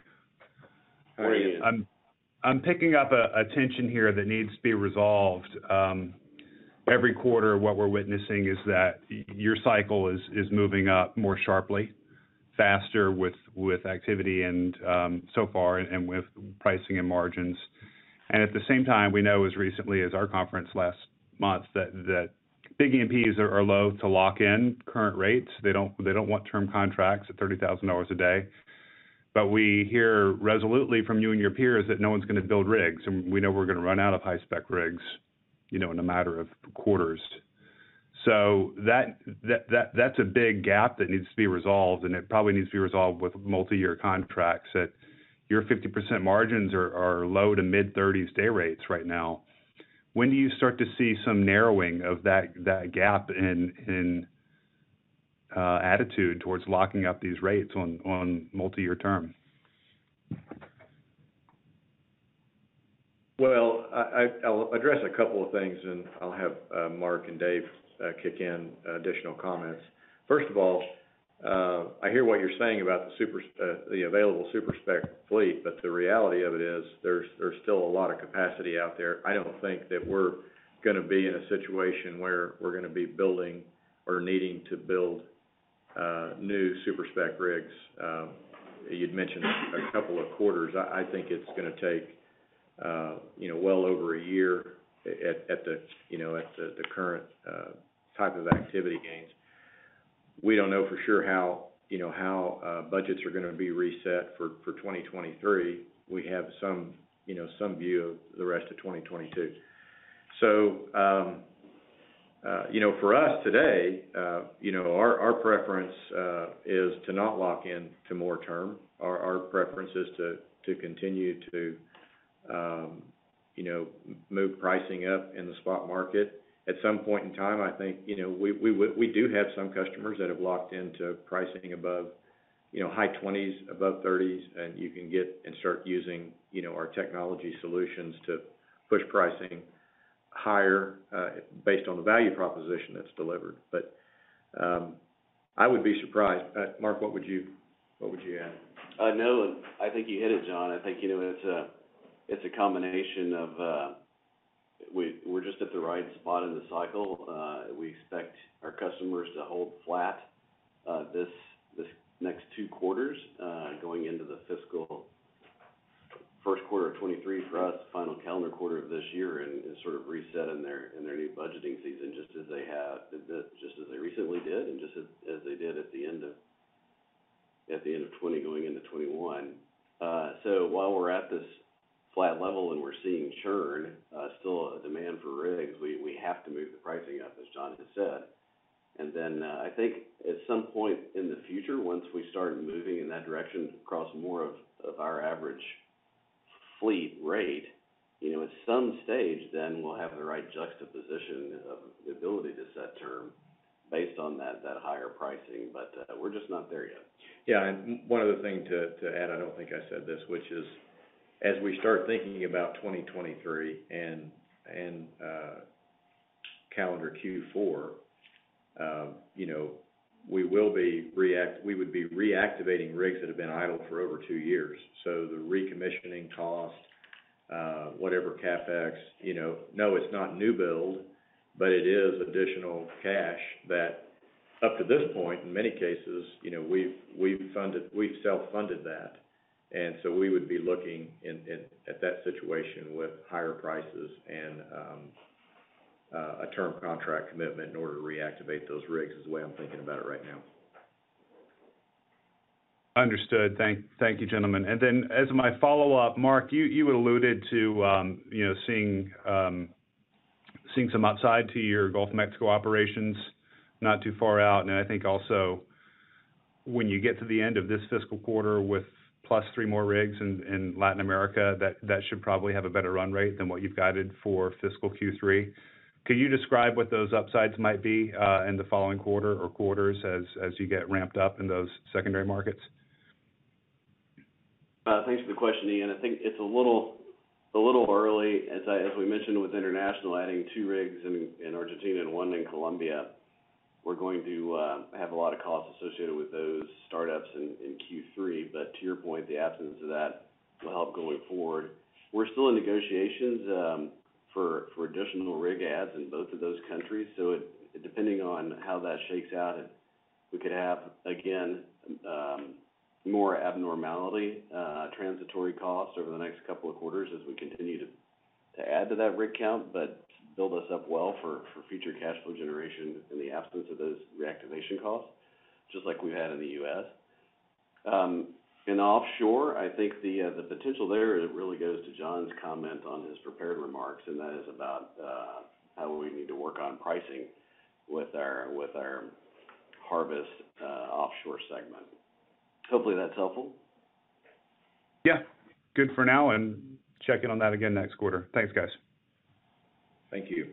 Morning. Morning. I'm picking up a tension here that needs to be resolved. Every quarter, what we're witnessing is that your cycle is moving up more sharply, faster with activity and so far, and with pricing and margins. At the same time, we know as recently as our conference last month that big E&Ps are loath to lock in current rates. They don't want term contracts at $30,000 a day. We hear resolutely from you and your peers that no one's gonna build rigs, and we know we're gonna run out of high-spec rigs, you know, in a matter of quarters. That's a big gap that needs to be resolved, and it probably needs to be resolved with multi-year contracts at your 50% margins or low to mid-30s day rates right now. When do you start to see some narrowing of that gap in attitude towards locking up these rates on multi-year term? Well, I'll address a couple of things, and I'll have Mark and Dave kick in additional comments. First of all, I hear what you're saying about the available super-spec fleet, but the reality of it is there's still a lot of capacity out there. I don't think that we're gonna be in a situation where we're gonna be building or needing to build new super-spec rigs. You'd mentioned a couple of quarters. I think it's gonna take you know well over a year at the current type of activity gains. We don't know for sure how budgets are gonna be reset for 2023. We have some view of the rest of 2022. You know, for us today, you know, our preference is to not lock in to more term. Our preference is to continue to, you know, move pricing up in the spot market. At some point in time, I think, you know, we do have some customers that have locked into pricing above, you know, high 20s, above 30s, and you can get and start using, you know, our technology solutions to push pricing higher based on the value proposition that's delivered. But I would be surprised. Mark, what would you add? No, I think you hit it, John. I think, you know, it's a combination of we're just at the right spot in the cycle. We expect our customers to hold flat this next two quarters going into the fiscal first quarter of 2023 for us, final calendar quarter of this year, and sort of reset in their new budgeting season, just as they recently did and just as they did at the end of 2020 going into 2021. So while we're at this flat level and we're seeing churn, still a demand for rigs, we have to move the pricing up, as John just said. I think at some point in the future, once we start moving in that direction across more of our average fleet rate, you know, at some stage, then we'll have the right juxtaposition of the ability to set term based on that higher pricing, but we're just not there yet. Yeah, one other thing to add, I don't think I said this, which is, as we start thinking about 2023 and calendar Q4, you know, we would be reactivating rigs that have been idle for over two years. So the recommissioning cost, whatever CapEx, you know. No, it's not new build, but it is additional cash that up to this point, in many cases, you know, we've self-funded that. So we would be looking at that situation with higher prices and a term contract commitment in order to reactivate those rigs, is the way I'm thinking about it right now. Understood. Thank you, gentlemen. Then as my follow-up, Mark, you alluded to you know seeing some upside to your Gulf of Mexico operations not too far out. I think also when you get to the end of this fiscal quarter with plus three more rigs in Latin America, that should probably have a better run rate than what you've guided for fiscal Q3. Could you describe what those upsides might be in the following quarter or quarters as you get ramped up in those secondary markets? Thanks for the question, Ian. I think it's a little early. As we mentioned with international, adding two rigs in Argentina and 1 in Colombia, we're going to have a lot of costs associated with those startups in Q3. But to your point, the absence of that will help going forward. We're still in negotiations for additional rig adds in both of those countries. So depending on how that shakes out, we could have, again, more abnormality, transitory costs over the next couple of quarters as we continue to add to that rig count, but build us up well for future cash flow generation in the absence of those reactivation costs, just like we've had in the U.S. In offshore, I think the potential there really goes to John's comment on his prepared remarks, and that is about how we need to work on pricing with our H&P's offshore segment. Hopefully, that's helpful. Yeah. Good for now, and check in on that again next quarter. Thanks, guys. Thank you.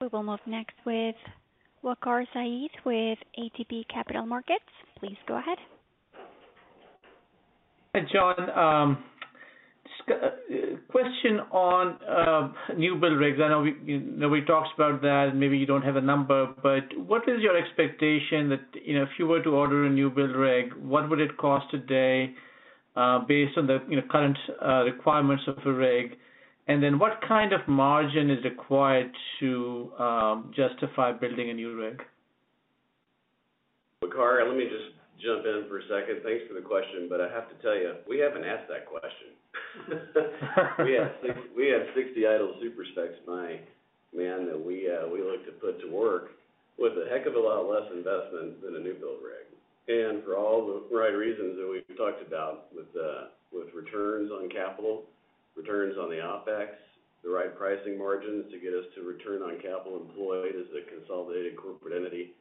We will move next with Waqar Syed with ATB Capital Markets. Please go ahead. Hi, John. Question on new build rigs. I know you know we talked about that, maybe you don't have a number, but what is your expectation that, you know, if you were to order a new build rig, what would it cost today, based on the, you know, current requirements of the rig? And then what kind of margin is required to justify building a new rig? Waqar, let me just jump in for a second. Thanks for the question. I have to tell you, we haven't asked that question. We have 60 idle super-specs, my man, that we look to put to work with a heck of a lot less investment than a new build rig. For all the right reasons that we've talked about with returns on capital, returns on the OpEx, the right pricing margins to get us to return on capital employed as a consolidated corporate entity.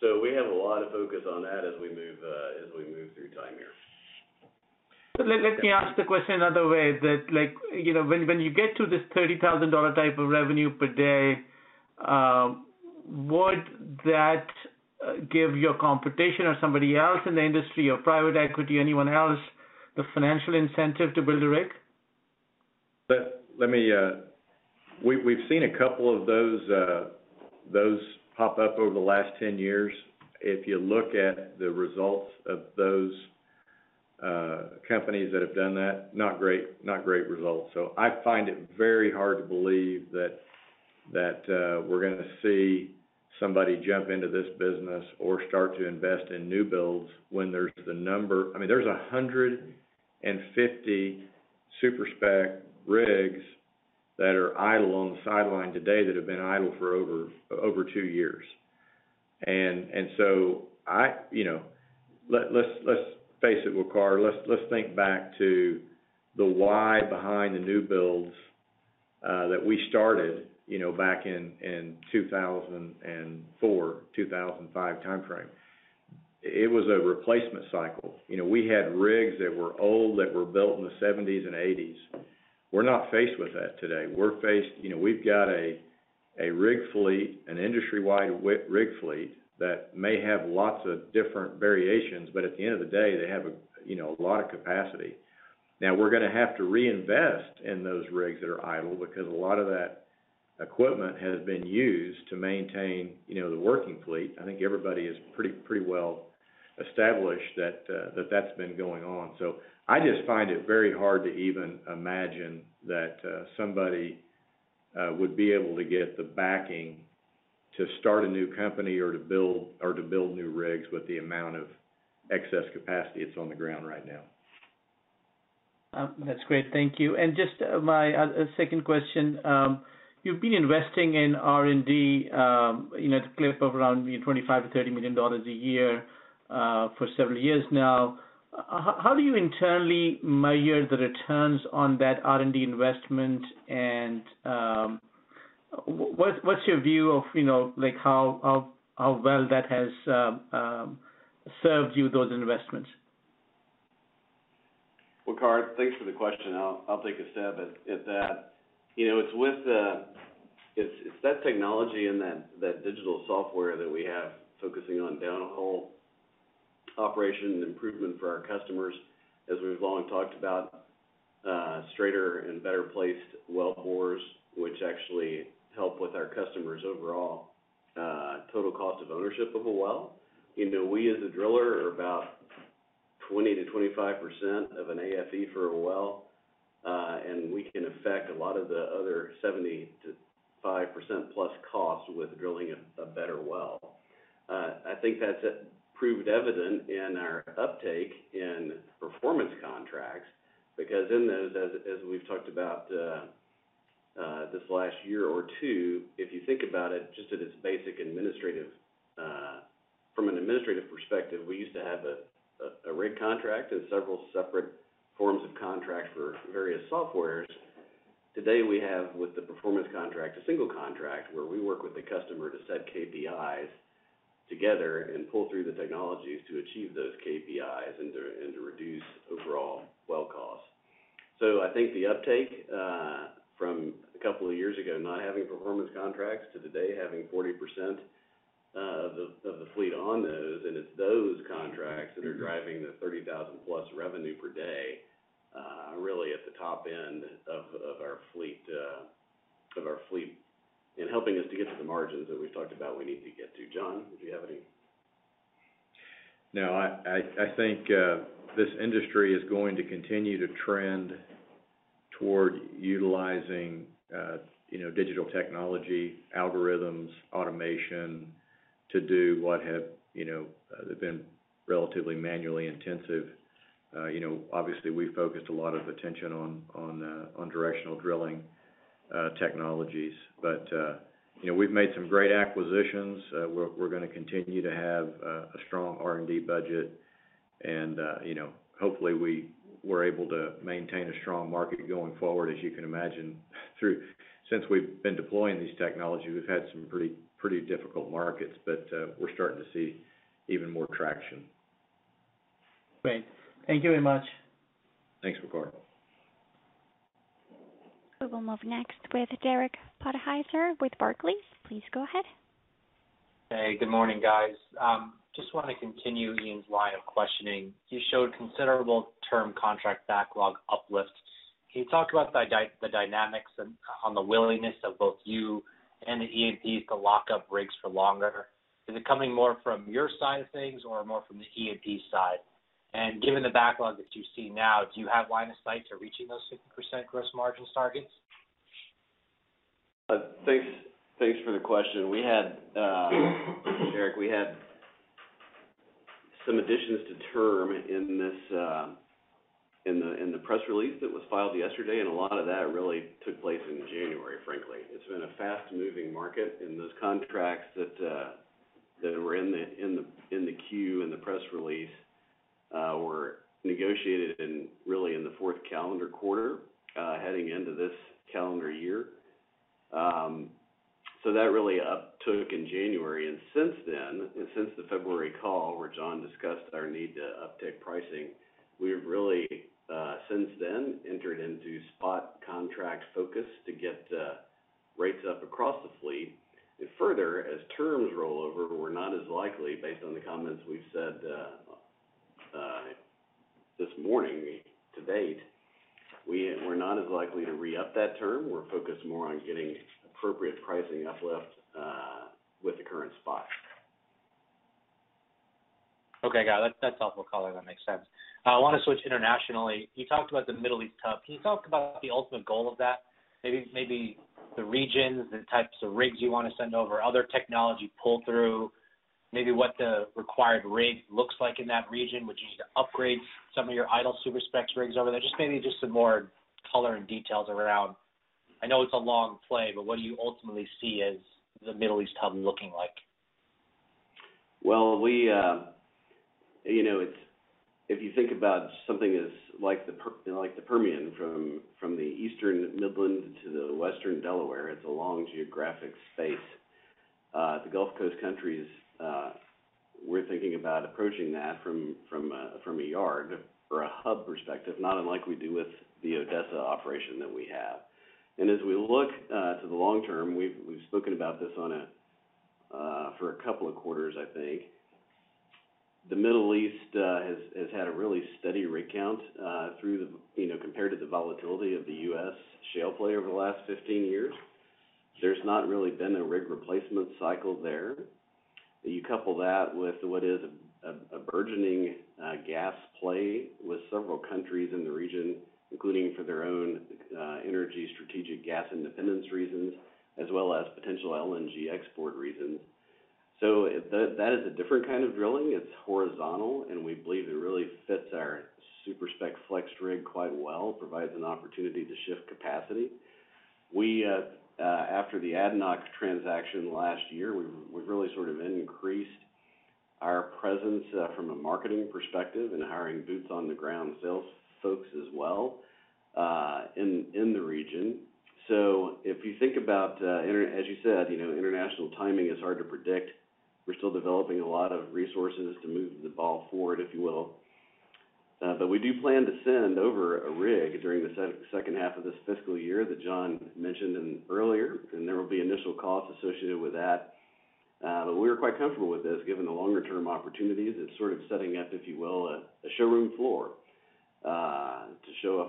We have a lot of focus on that as we move through time here. Let me ask the question another way. Like, you know, when you get to this $30,000 type of revenue per day, would that give your competition or somebody else in the industry or private equity, anyone else, the financial incentive to build a rig? We've seen a couple of those pop up over the last 10 years. If you look at the results of those companies that have done that, not great results. I find it very hard to believe that we're gonna see somebody jump into this business or start to invest in new builds when there's the number, I mean, there's 150 super-spec rigs that are idle on the sidelines today that have been idle for over two years. You know, let's face it, Waqar. Let's think back to the why behind the new builds that we started, you know, back in 2004, 2005 timeframe. It was a replacement cycle. You know, we had rigs that were old, that were built in the '70s and '80s. We're not faced with that today. We're faced. You know, we've got a rig fleet, an industry-wide rig fleet that may have lots of different variations, but at the end of the day, they have a, you know, a lot of capacity. Now, we're gonna have to reinvest in those rigs that are idle because a lot of that equipment has been used to maintain, you know, the working fleet. I think everybody is pretty well established that that that's been going on. I just find it very hard to even imagine that somebody would be able to get the backing to start a new company or to build new rigs with the amount of excess capacity that's on the ground right now. That's great. Thank you. Just my second question. You've been investing in R&D, you know, at a clip of around, you know, $25 million-$30 million a year, for several years now. How do you internally measure the returns on that R&D investment? And what's your view of, you know, like how well that has served you, those investments? Waqar, thanks for the question. I'll take a stab at that. You know, it's that technology and that digital software that we have focusing on downhole operation and improvement for our customers. As we've long talked about, straighter and better placed wellbores, which actually help with our customers' overall total cost of ownership of a well. You know, we as a driller are about 20%-25% of an AFE for a well, and we can affect a lot of the other 75% plus costs with drilling a better well. I think that's proven evident in our uptake in performance contracts, because in those, as we've talked about, this last year or two, if you think about it, just at its basic administrative, from an administrative perspective, we used to have a rig contract and several separate forms of contracts for various software. Today, we have, with the performance contract, a single contract where we work with the customer to set KPIs together and pull through the technologies to achieve those KPIs and to reduce overall. I think the uptake from a couple of years ago not having performance contracts to today having 40% of the fleet on those, and it's those contracts that are driving the $30,000+ revenue per day really at the top end of our fleet and helping us to get to the margins that we've talked about we need to get to. John, did you have any? No, I think this industry is going to continue to trend toward utilizing, you know, digital technology, algorithms, automation to do what have been relatively manually intensive. You know, obviously we've focused a lot of attention on directional drilling technologies. You know, we've made some great acquisitions. We're gonna continue to have a strong R&D budget and, you know, hopefully we're able to maintain a strong market going forward. As you can imagine since we've been deploying these technologies, we've had some pretty difficult markets, but we're starting to see even more traction. Great. Thank you very much. Thanks, Waqar Syed. We will move next with Derek Podhaizer with Barclays. Please go ahead. Hey, good morning, guys. Just wanna continue Ian's line of questioning. You showed considerable term contract backlog uplift. Can you talk about the dynamics and on the willingness of both you and the E&Ps to lock up rigs for longer? Is it coming more from your side of things or more from the E&P side? Given the backlog that you see now, do you have line of sight to reaching those 60% gross margins targets? Thanks for the question. We had, Derek, some additions to the term in the press release that was filed yesterday, and a lot of that really took place in January, frankly. It's been a fast-moving market, and those contracts that were in the queue in the press release were negotiated really in the fourth calendar quarter, heading into this calendar year. That really took up in January. Since then, since the February call where John discussed our need to uptick pricing, we've really entered into spot contracts focused to get rates up across the fleet. Further, as terms roll over, we're not as likely to re-up that term, based on the comments we've said this morning to date. We're focused more on getting appropriate pricing uplift with the current spot. Okay, got it. That's helpful color. That makes sense. I wanna switch internationally. You talked about the Middle East hub. Can you talk about the ultimate goal of that? Maybe the regions, the types of rigs you wanna send over, other technology pull through, maybe what the required rig looks like in that region. Would you just upgrade some of your idle super-spec rigs over there? Just maybe just some more color and details around. I know it's a long play, but what do you ultimately see as the Middle East hub looking like? Well, we, you know, it's if you think about something as like the Permian from the eastern Midland to the western Delaware, it's a long geographic space. The Gulf countries, we're thinking about approaching that from a yard or a hub perspective, not unlike we do with the Odessa operation that we have. As we look to the long term, we've spoken about this for a couple of quarters, I think. The Middle East has had a really steady rig count, you know, compared to the volatility of the U.S. shale play over the last 15 years. There's not really been a rig replacement cycle there. You couple that with what is a burgeoning gas play with several countries in the region, including for their own energy strategic gas independence reasons, as well as potential LNG export reasons. That is a different kind of drilling. It's horizontal, and we believe it really fits our super-spec FlexRig quite well, provides an opportunity to shift capacity. After the ADNOC transaction last year, we've really sort of increased our presence from a marketing perspective and hiring boots on the ground sales folks as well in the region. If you think about international, as you said, you know, international timing is hard to predict. We're still developing a lot of resources to move the ball forward, if you will. We do plan to send over a rig during the second half of this fiscal year that John mentioned earlier, and there will be initial costs associated with that. We're quite comfortable with this given the longer term opportunities. It's sort of setting up, if you will, a showroom floor to show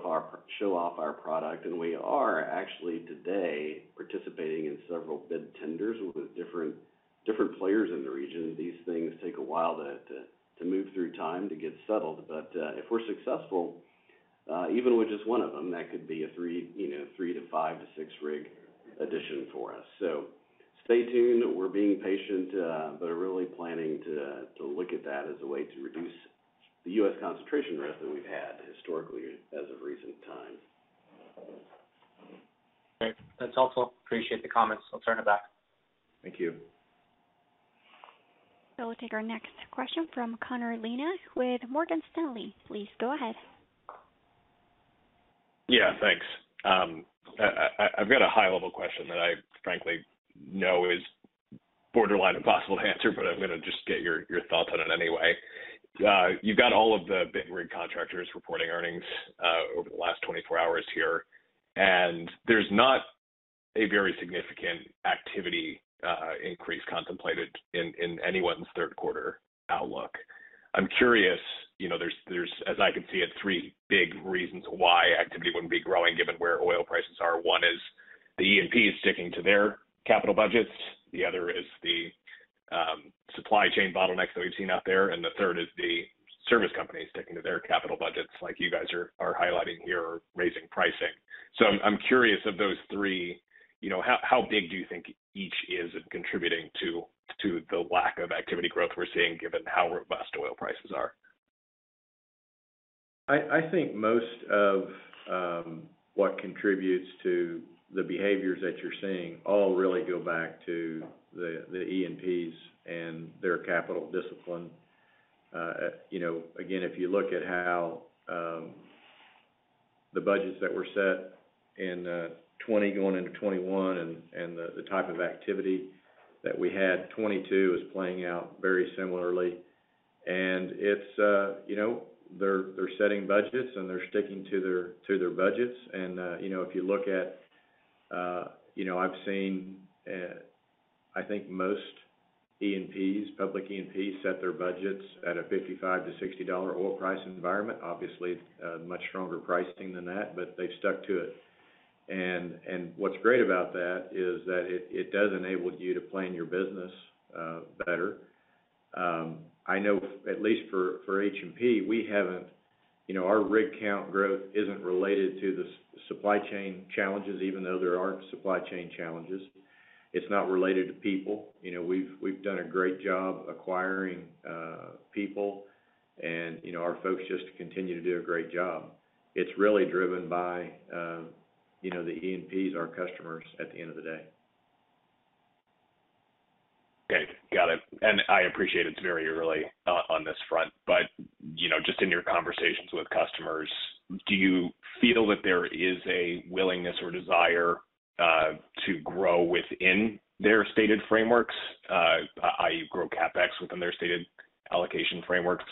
off our product. We are actually today participating in several bid tenders with different players in the region. These things take a while to move through time to get settled. If we're successful, even with just one of them, that could be a three- to five- to six-rig addition for us. Stay tuned. We're being patient, but are really planning to look at that as a way to reduce the U.S. concentration risk that we've had historically as of recent times. Okay. That's helpful. Appreciate the comments. I'll turn it back. Thank you. We'll take our next question from Connor Lynagh with Morgan Stanley. Please go ahead. Yeah, thanks. I've got a high level question that I frankly know is Borderline impossible to answer, but I'm gonna just get your thoughts on it anyway. You've got all of the big rig contractors reporting earnings over the last 24 hours here, and there's not a very significant activity increase contemplated in anyone's third quarter outlook. I'm curious, you know, there's as I can see it, three big reasons why activity wouldn't be growing given where oil prices are. One is the E&P is sticking to their capital budgets. The other is the supply chain bottlenecks that we've seen out there, and the third is the service companies sticking to their capital budgets like you guys are highlighting here or raising pricing. I'm curious of those three, you know, how big do you think each is in contributing to the lack of activity growth we're seeing given how robust oil prices are? I think most of what contributes to the behaviors that you're seeing all really go back to the E&Ps and their capital discipline. You know, again, if you look at how the budgets that were set in 2020 going into 2021 and the type of activity that we had, 2022 is playing out very similarly. It's, you know, they're setting budgets and they're sticking to their budgets. You know, if you look at you know, I've seen I think most E&Ps, public E&Ps set their budgets at a $55-$60 oil price environment. Obviously, much stronger pricing than that, but they stuck to it. What's great about that is that it does enable you to plan your business better. I know at least for H&P, we haven't. You know, our rig count growth isn't related to the supply chain challenges, even though there are supply chain challenges. It's not related to people. You know, we've done a great job acquiring people. You know, our folks just continue to do a great job. It's really driven by you know, the E&Ps, our customers, at the end of the day. Okay. Got it. I appreciate it's very early on this front, but you know, just in your conversations with customers, do you feel that there is a willingness or desire to grow within their stated frameworks, i.e. grow CapEx within their stated allocation frameworks?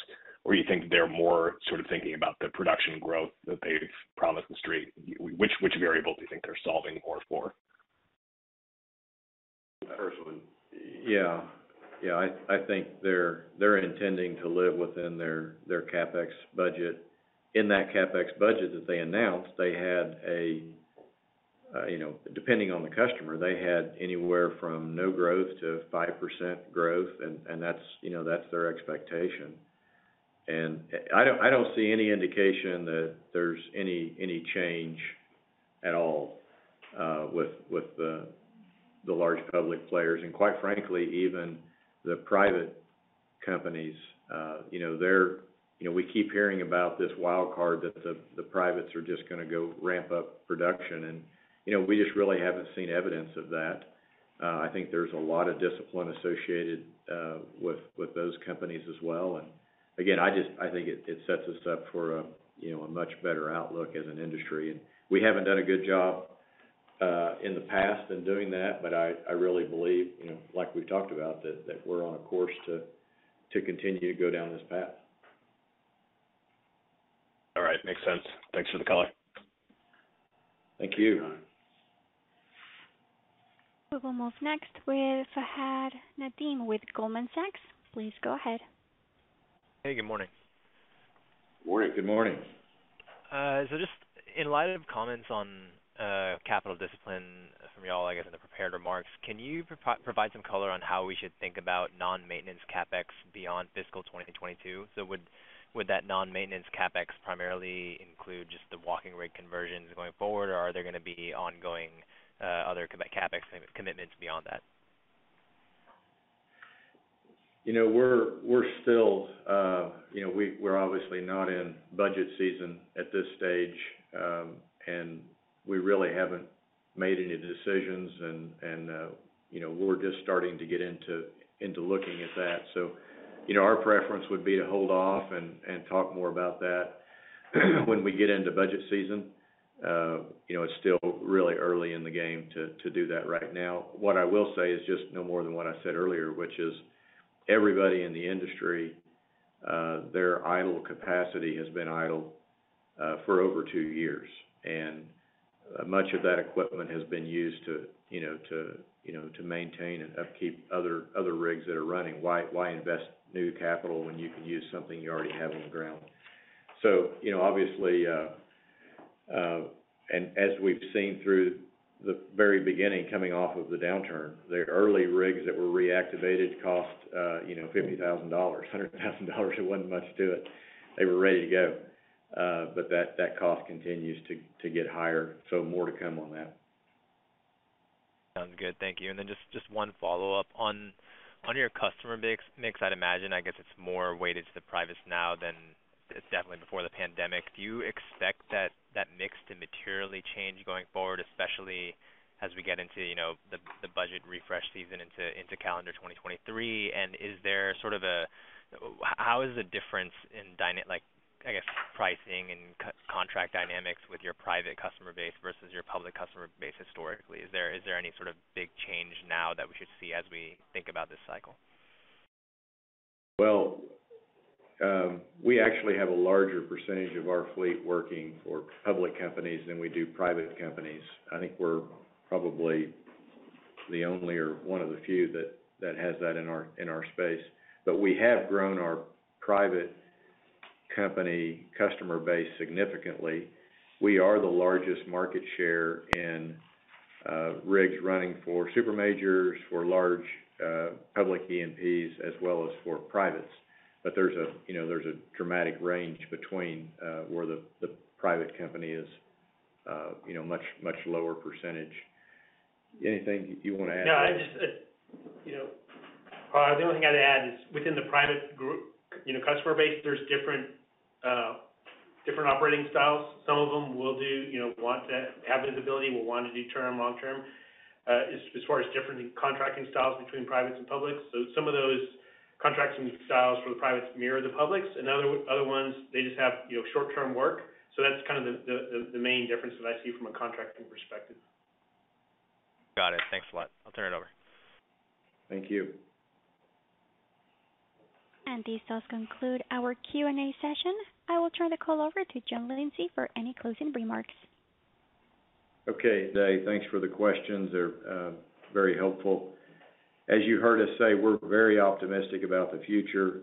Or you think they're more sort of thinking about the production growth that they've promised the street? Which variable do you think they're solving more for? I think they're intending to live within their CapEx budget. In that CapEx budget that they announced, you know, depending on the customer, they had anywhere from no growth to 5% growth. That's their expectation. I don't see any indication that there's any change at all with the large public players, and quite frankly, even the private companies. You know, they're you know, we keep hearing about this wild card that the privates are just gonna go ramp up production and, you know, we just really haven't seen evidence of that. I think there's a lot of discipline associated with those companies as well. Again, I think it sets us up for a, you know, a much better outlook as an industry. We haven't done a good job in the past in doing that, but I really believe, you know, like we've talked about, that we're on a course to continue to go down this path. All right. Makes sense. Thanks for the color. Thank you. We will move next with Fahad Nadeem with Goldman Sachs. Please go ahead. Hey, good morning. Morning. Good morning. Just in light of comments on capital discipline from y'all, I guess, in the prepared remarks, can you provide some color on how we should think about non-maintenance CapEx beyond fiscal 2022? Would that non-maintenance CapEx primarily include just the walking rig conversions going forward, or are there gonna be ongoing other committed CapEx commitments beyond that? You know, we're still, you know, we're obviously not in budget season at this stage, and we really haven't made any decisions and, you know, we're just starting to get into looking at that. You know, our preference would be to hold off and talk more about that when we get into budget season. You know, it's still really early in the game to do that right now. What I will say is just no more than what I said earlier, which is everybody in the industry, their idle capacity has been idle for over two years. Much of that equipment has been used to maintain and upkeep other rigs that are running. Why invest new capital when you can use something you already have on the ground? You know, obviously, as we've seen through the very beginning coming off of the downturn, the early rigs that were reactivated cost, you know, $50,000, $100,000. There wasn't much to it. They were ready to go. That cost continues to get higher, more to come on that. Sounds good. Thank you. Just one follow-up. On your customer mix, I'd imagine, I guess, it's more weighted to the privates now than definitely before the pandemic. Do you expect that mix to materially change going forward, especially as we get into, you know, the budget refresh season into calendar 2023? Is there sort of a difference in, like, I guess, pricing and contract dynamics with your private customer base versus your public customer base historically? Is there any sort of big change now that we should see as we think about this cycle? Well, we actually have a larger percentage of our fleet working for public companies than we do private companies. I think we're probably the only or one of the few that has that in our space. We have grown our private company customer base significantly. We are the largest market share in rigs running for super majors, for large public E&Ps, as well as for privates. There's a, you know, dramatic range between where the private company is, you know, much lower percentage. Anything you wanna add to that? No, I just, you know, probably the only thing I'd add is within the private group, you know, customer base, there's different operating styles. Some of them will do, you know, want to have visibility, will want to do term, long term, as far as different contracting styles between privates and publics. Some of those contracting styles for the privates mirror the publics, and other ones, they just have, you know, short term work. That's kind of the main difference that I see from a contracting perspective. Got it. Thanks a lot. I'll turn it over. Thank you. This does conclude our Q&A session. I will turn the call over to John Lindsay for any closing remarks. Okay. Dave, thanks for the questions. They're very helpful. As you heard us say, we're very optimistic about the future.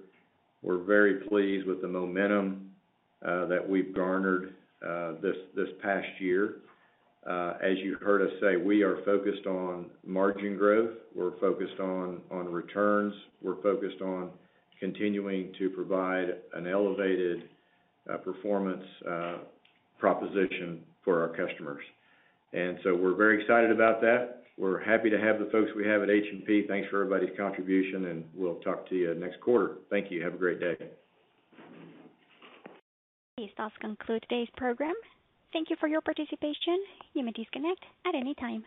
We're very pleased with the momentum that we've garnered this past year. As you heard us say, we are focused on margin growth. We're focused on returns. We're focused on continuing to provide an elevated performance proposition for our customers. We're very excited about that. We're happy to have the folks we have at H&P. Thanks for everybody's contribution, and we'll talk to you next quarter. Thank you. Have a great day. This does conclude today's program. Thank you for your participation. You may disconnect at any time.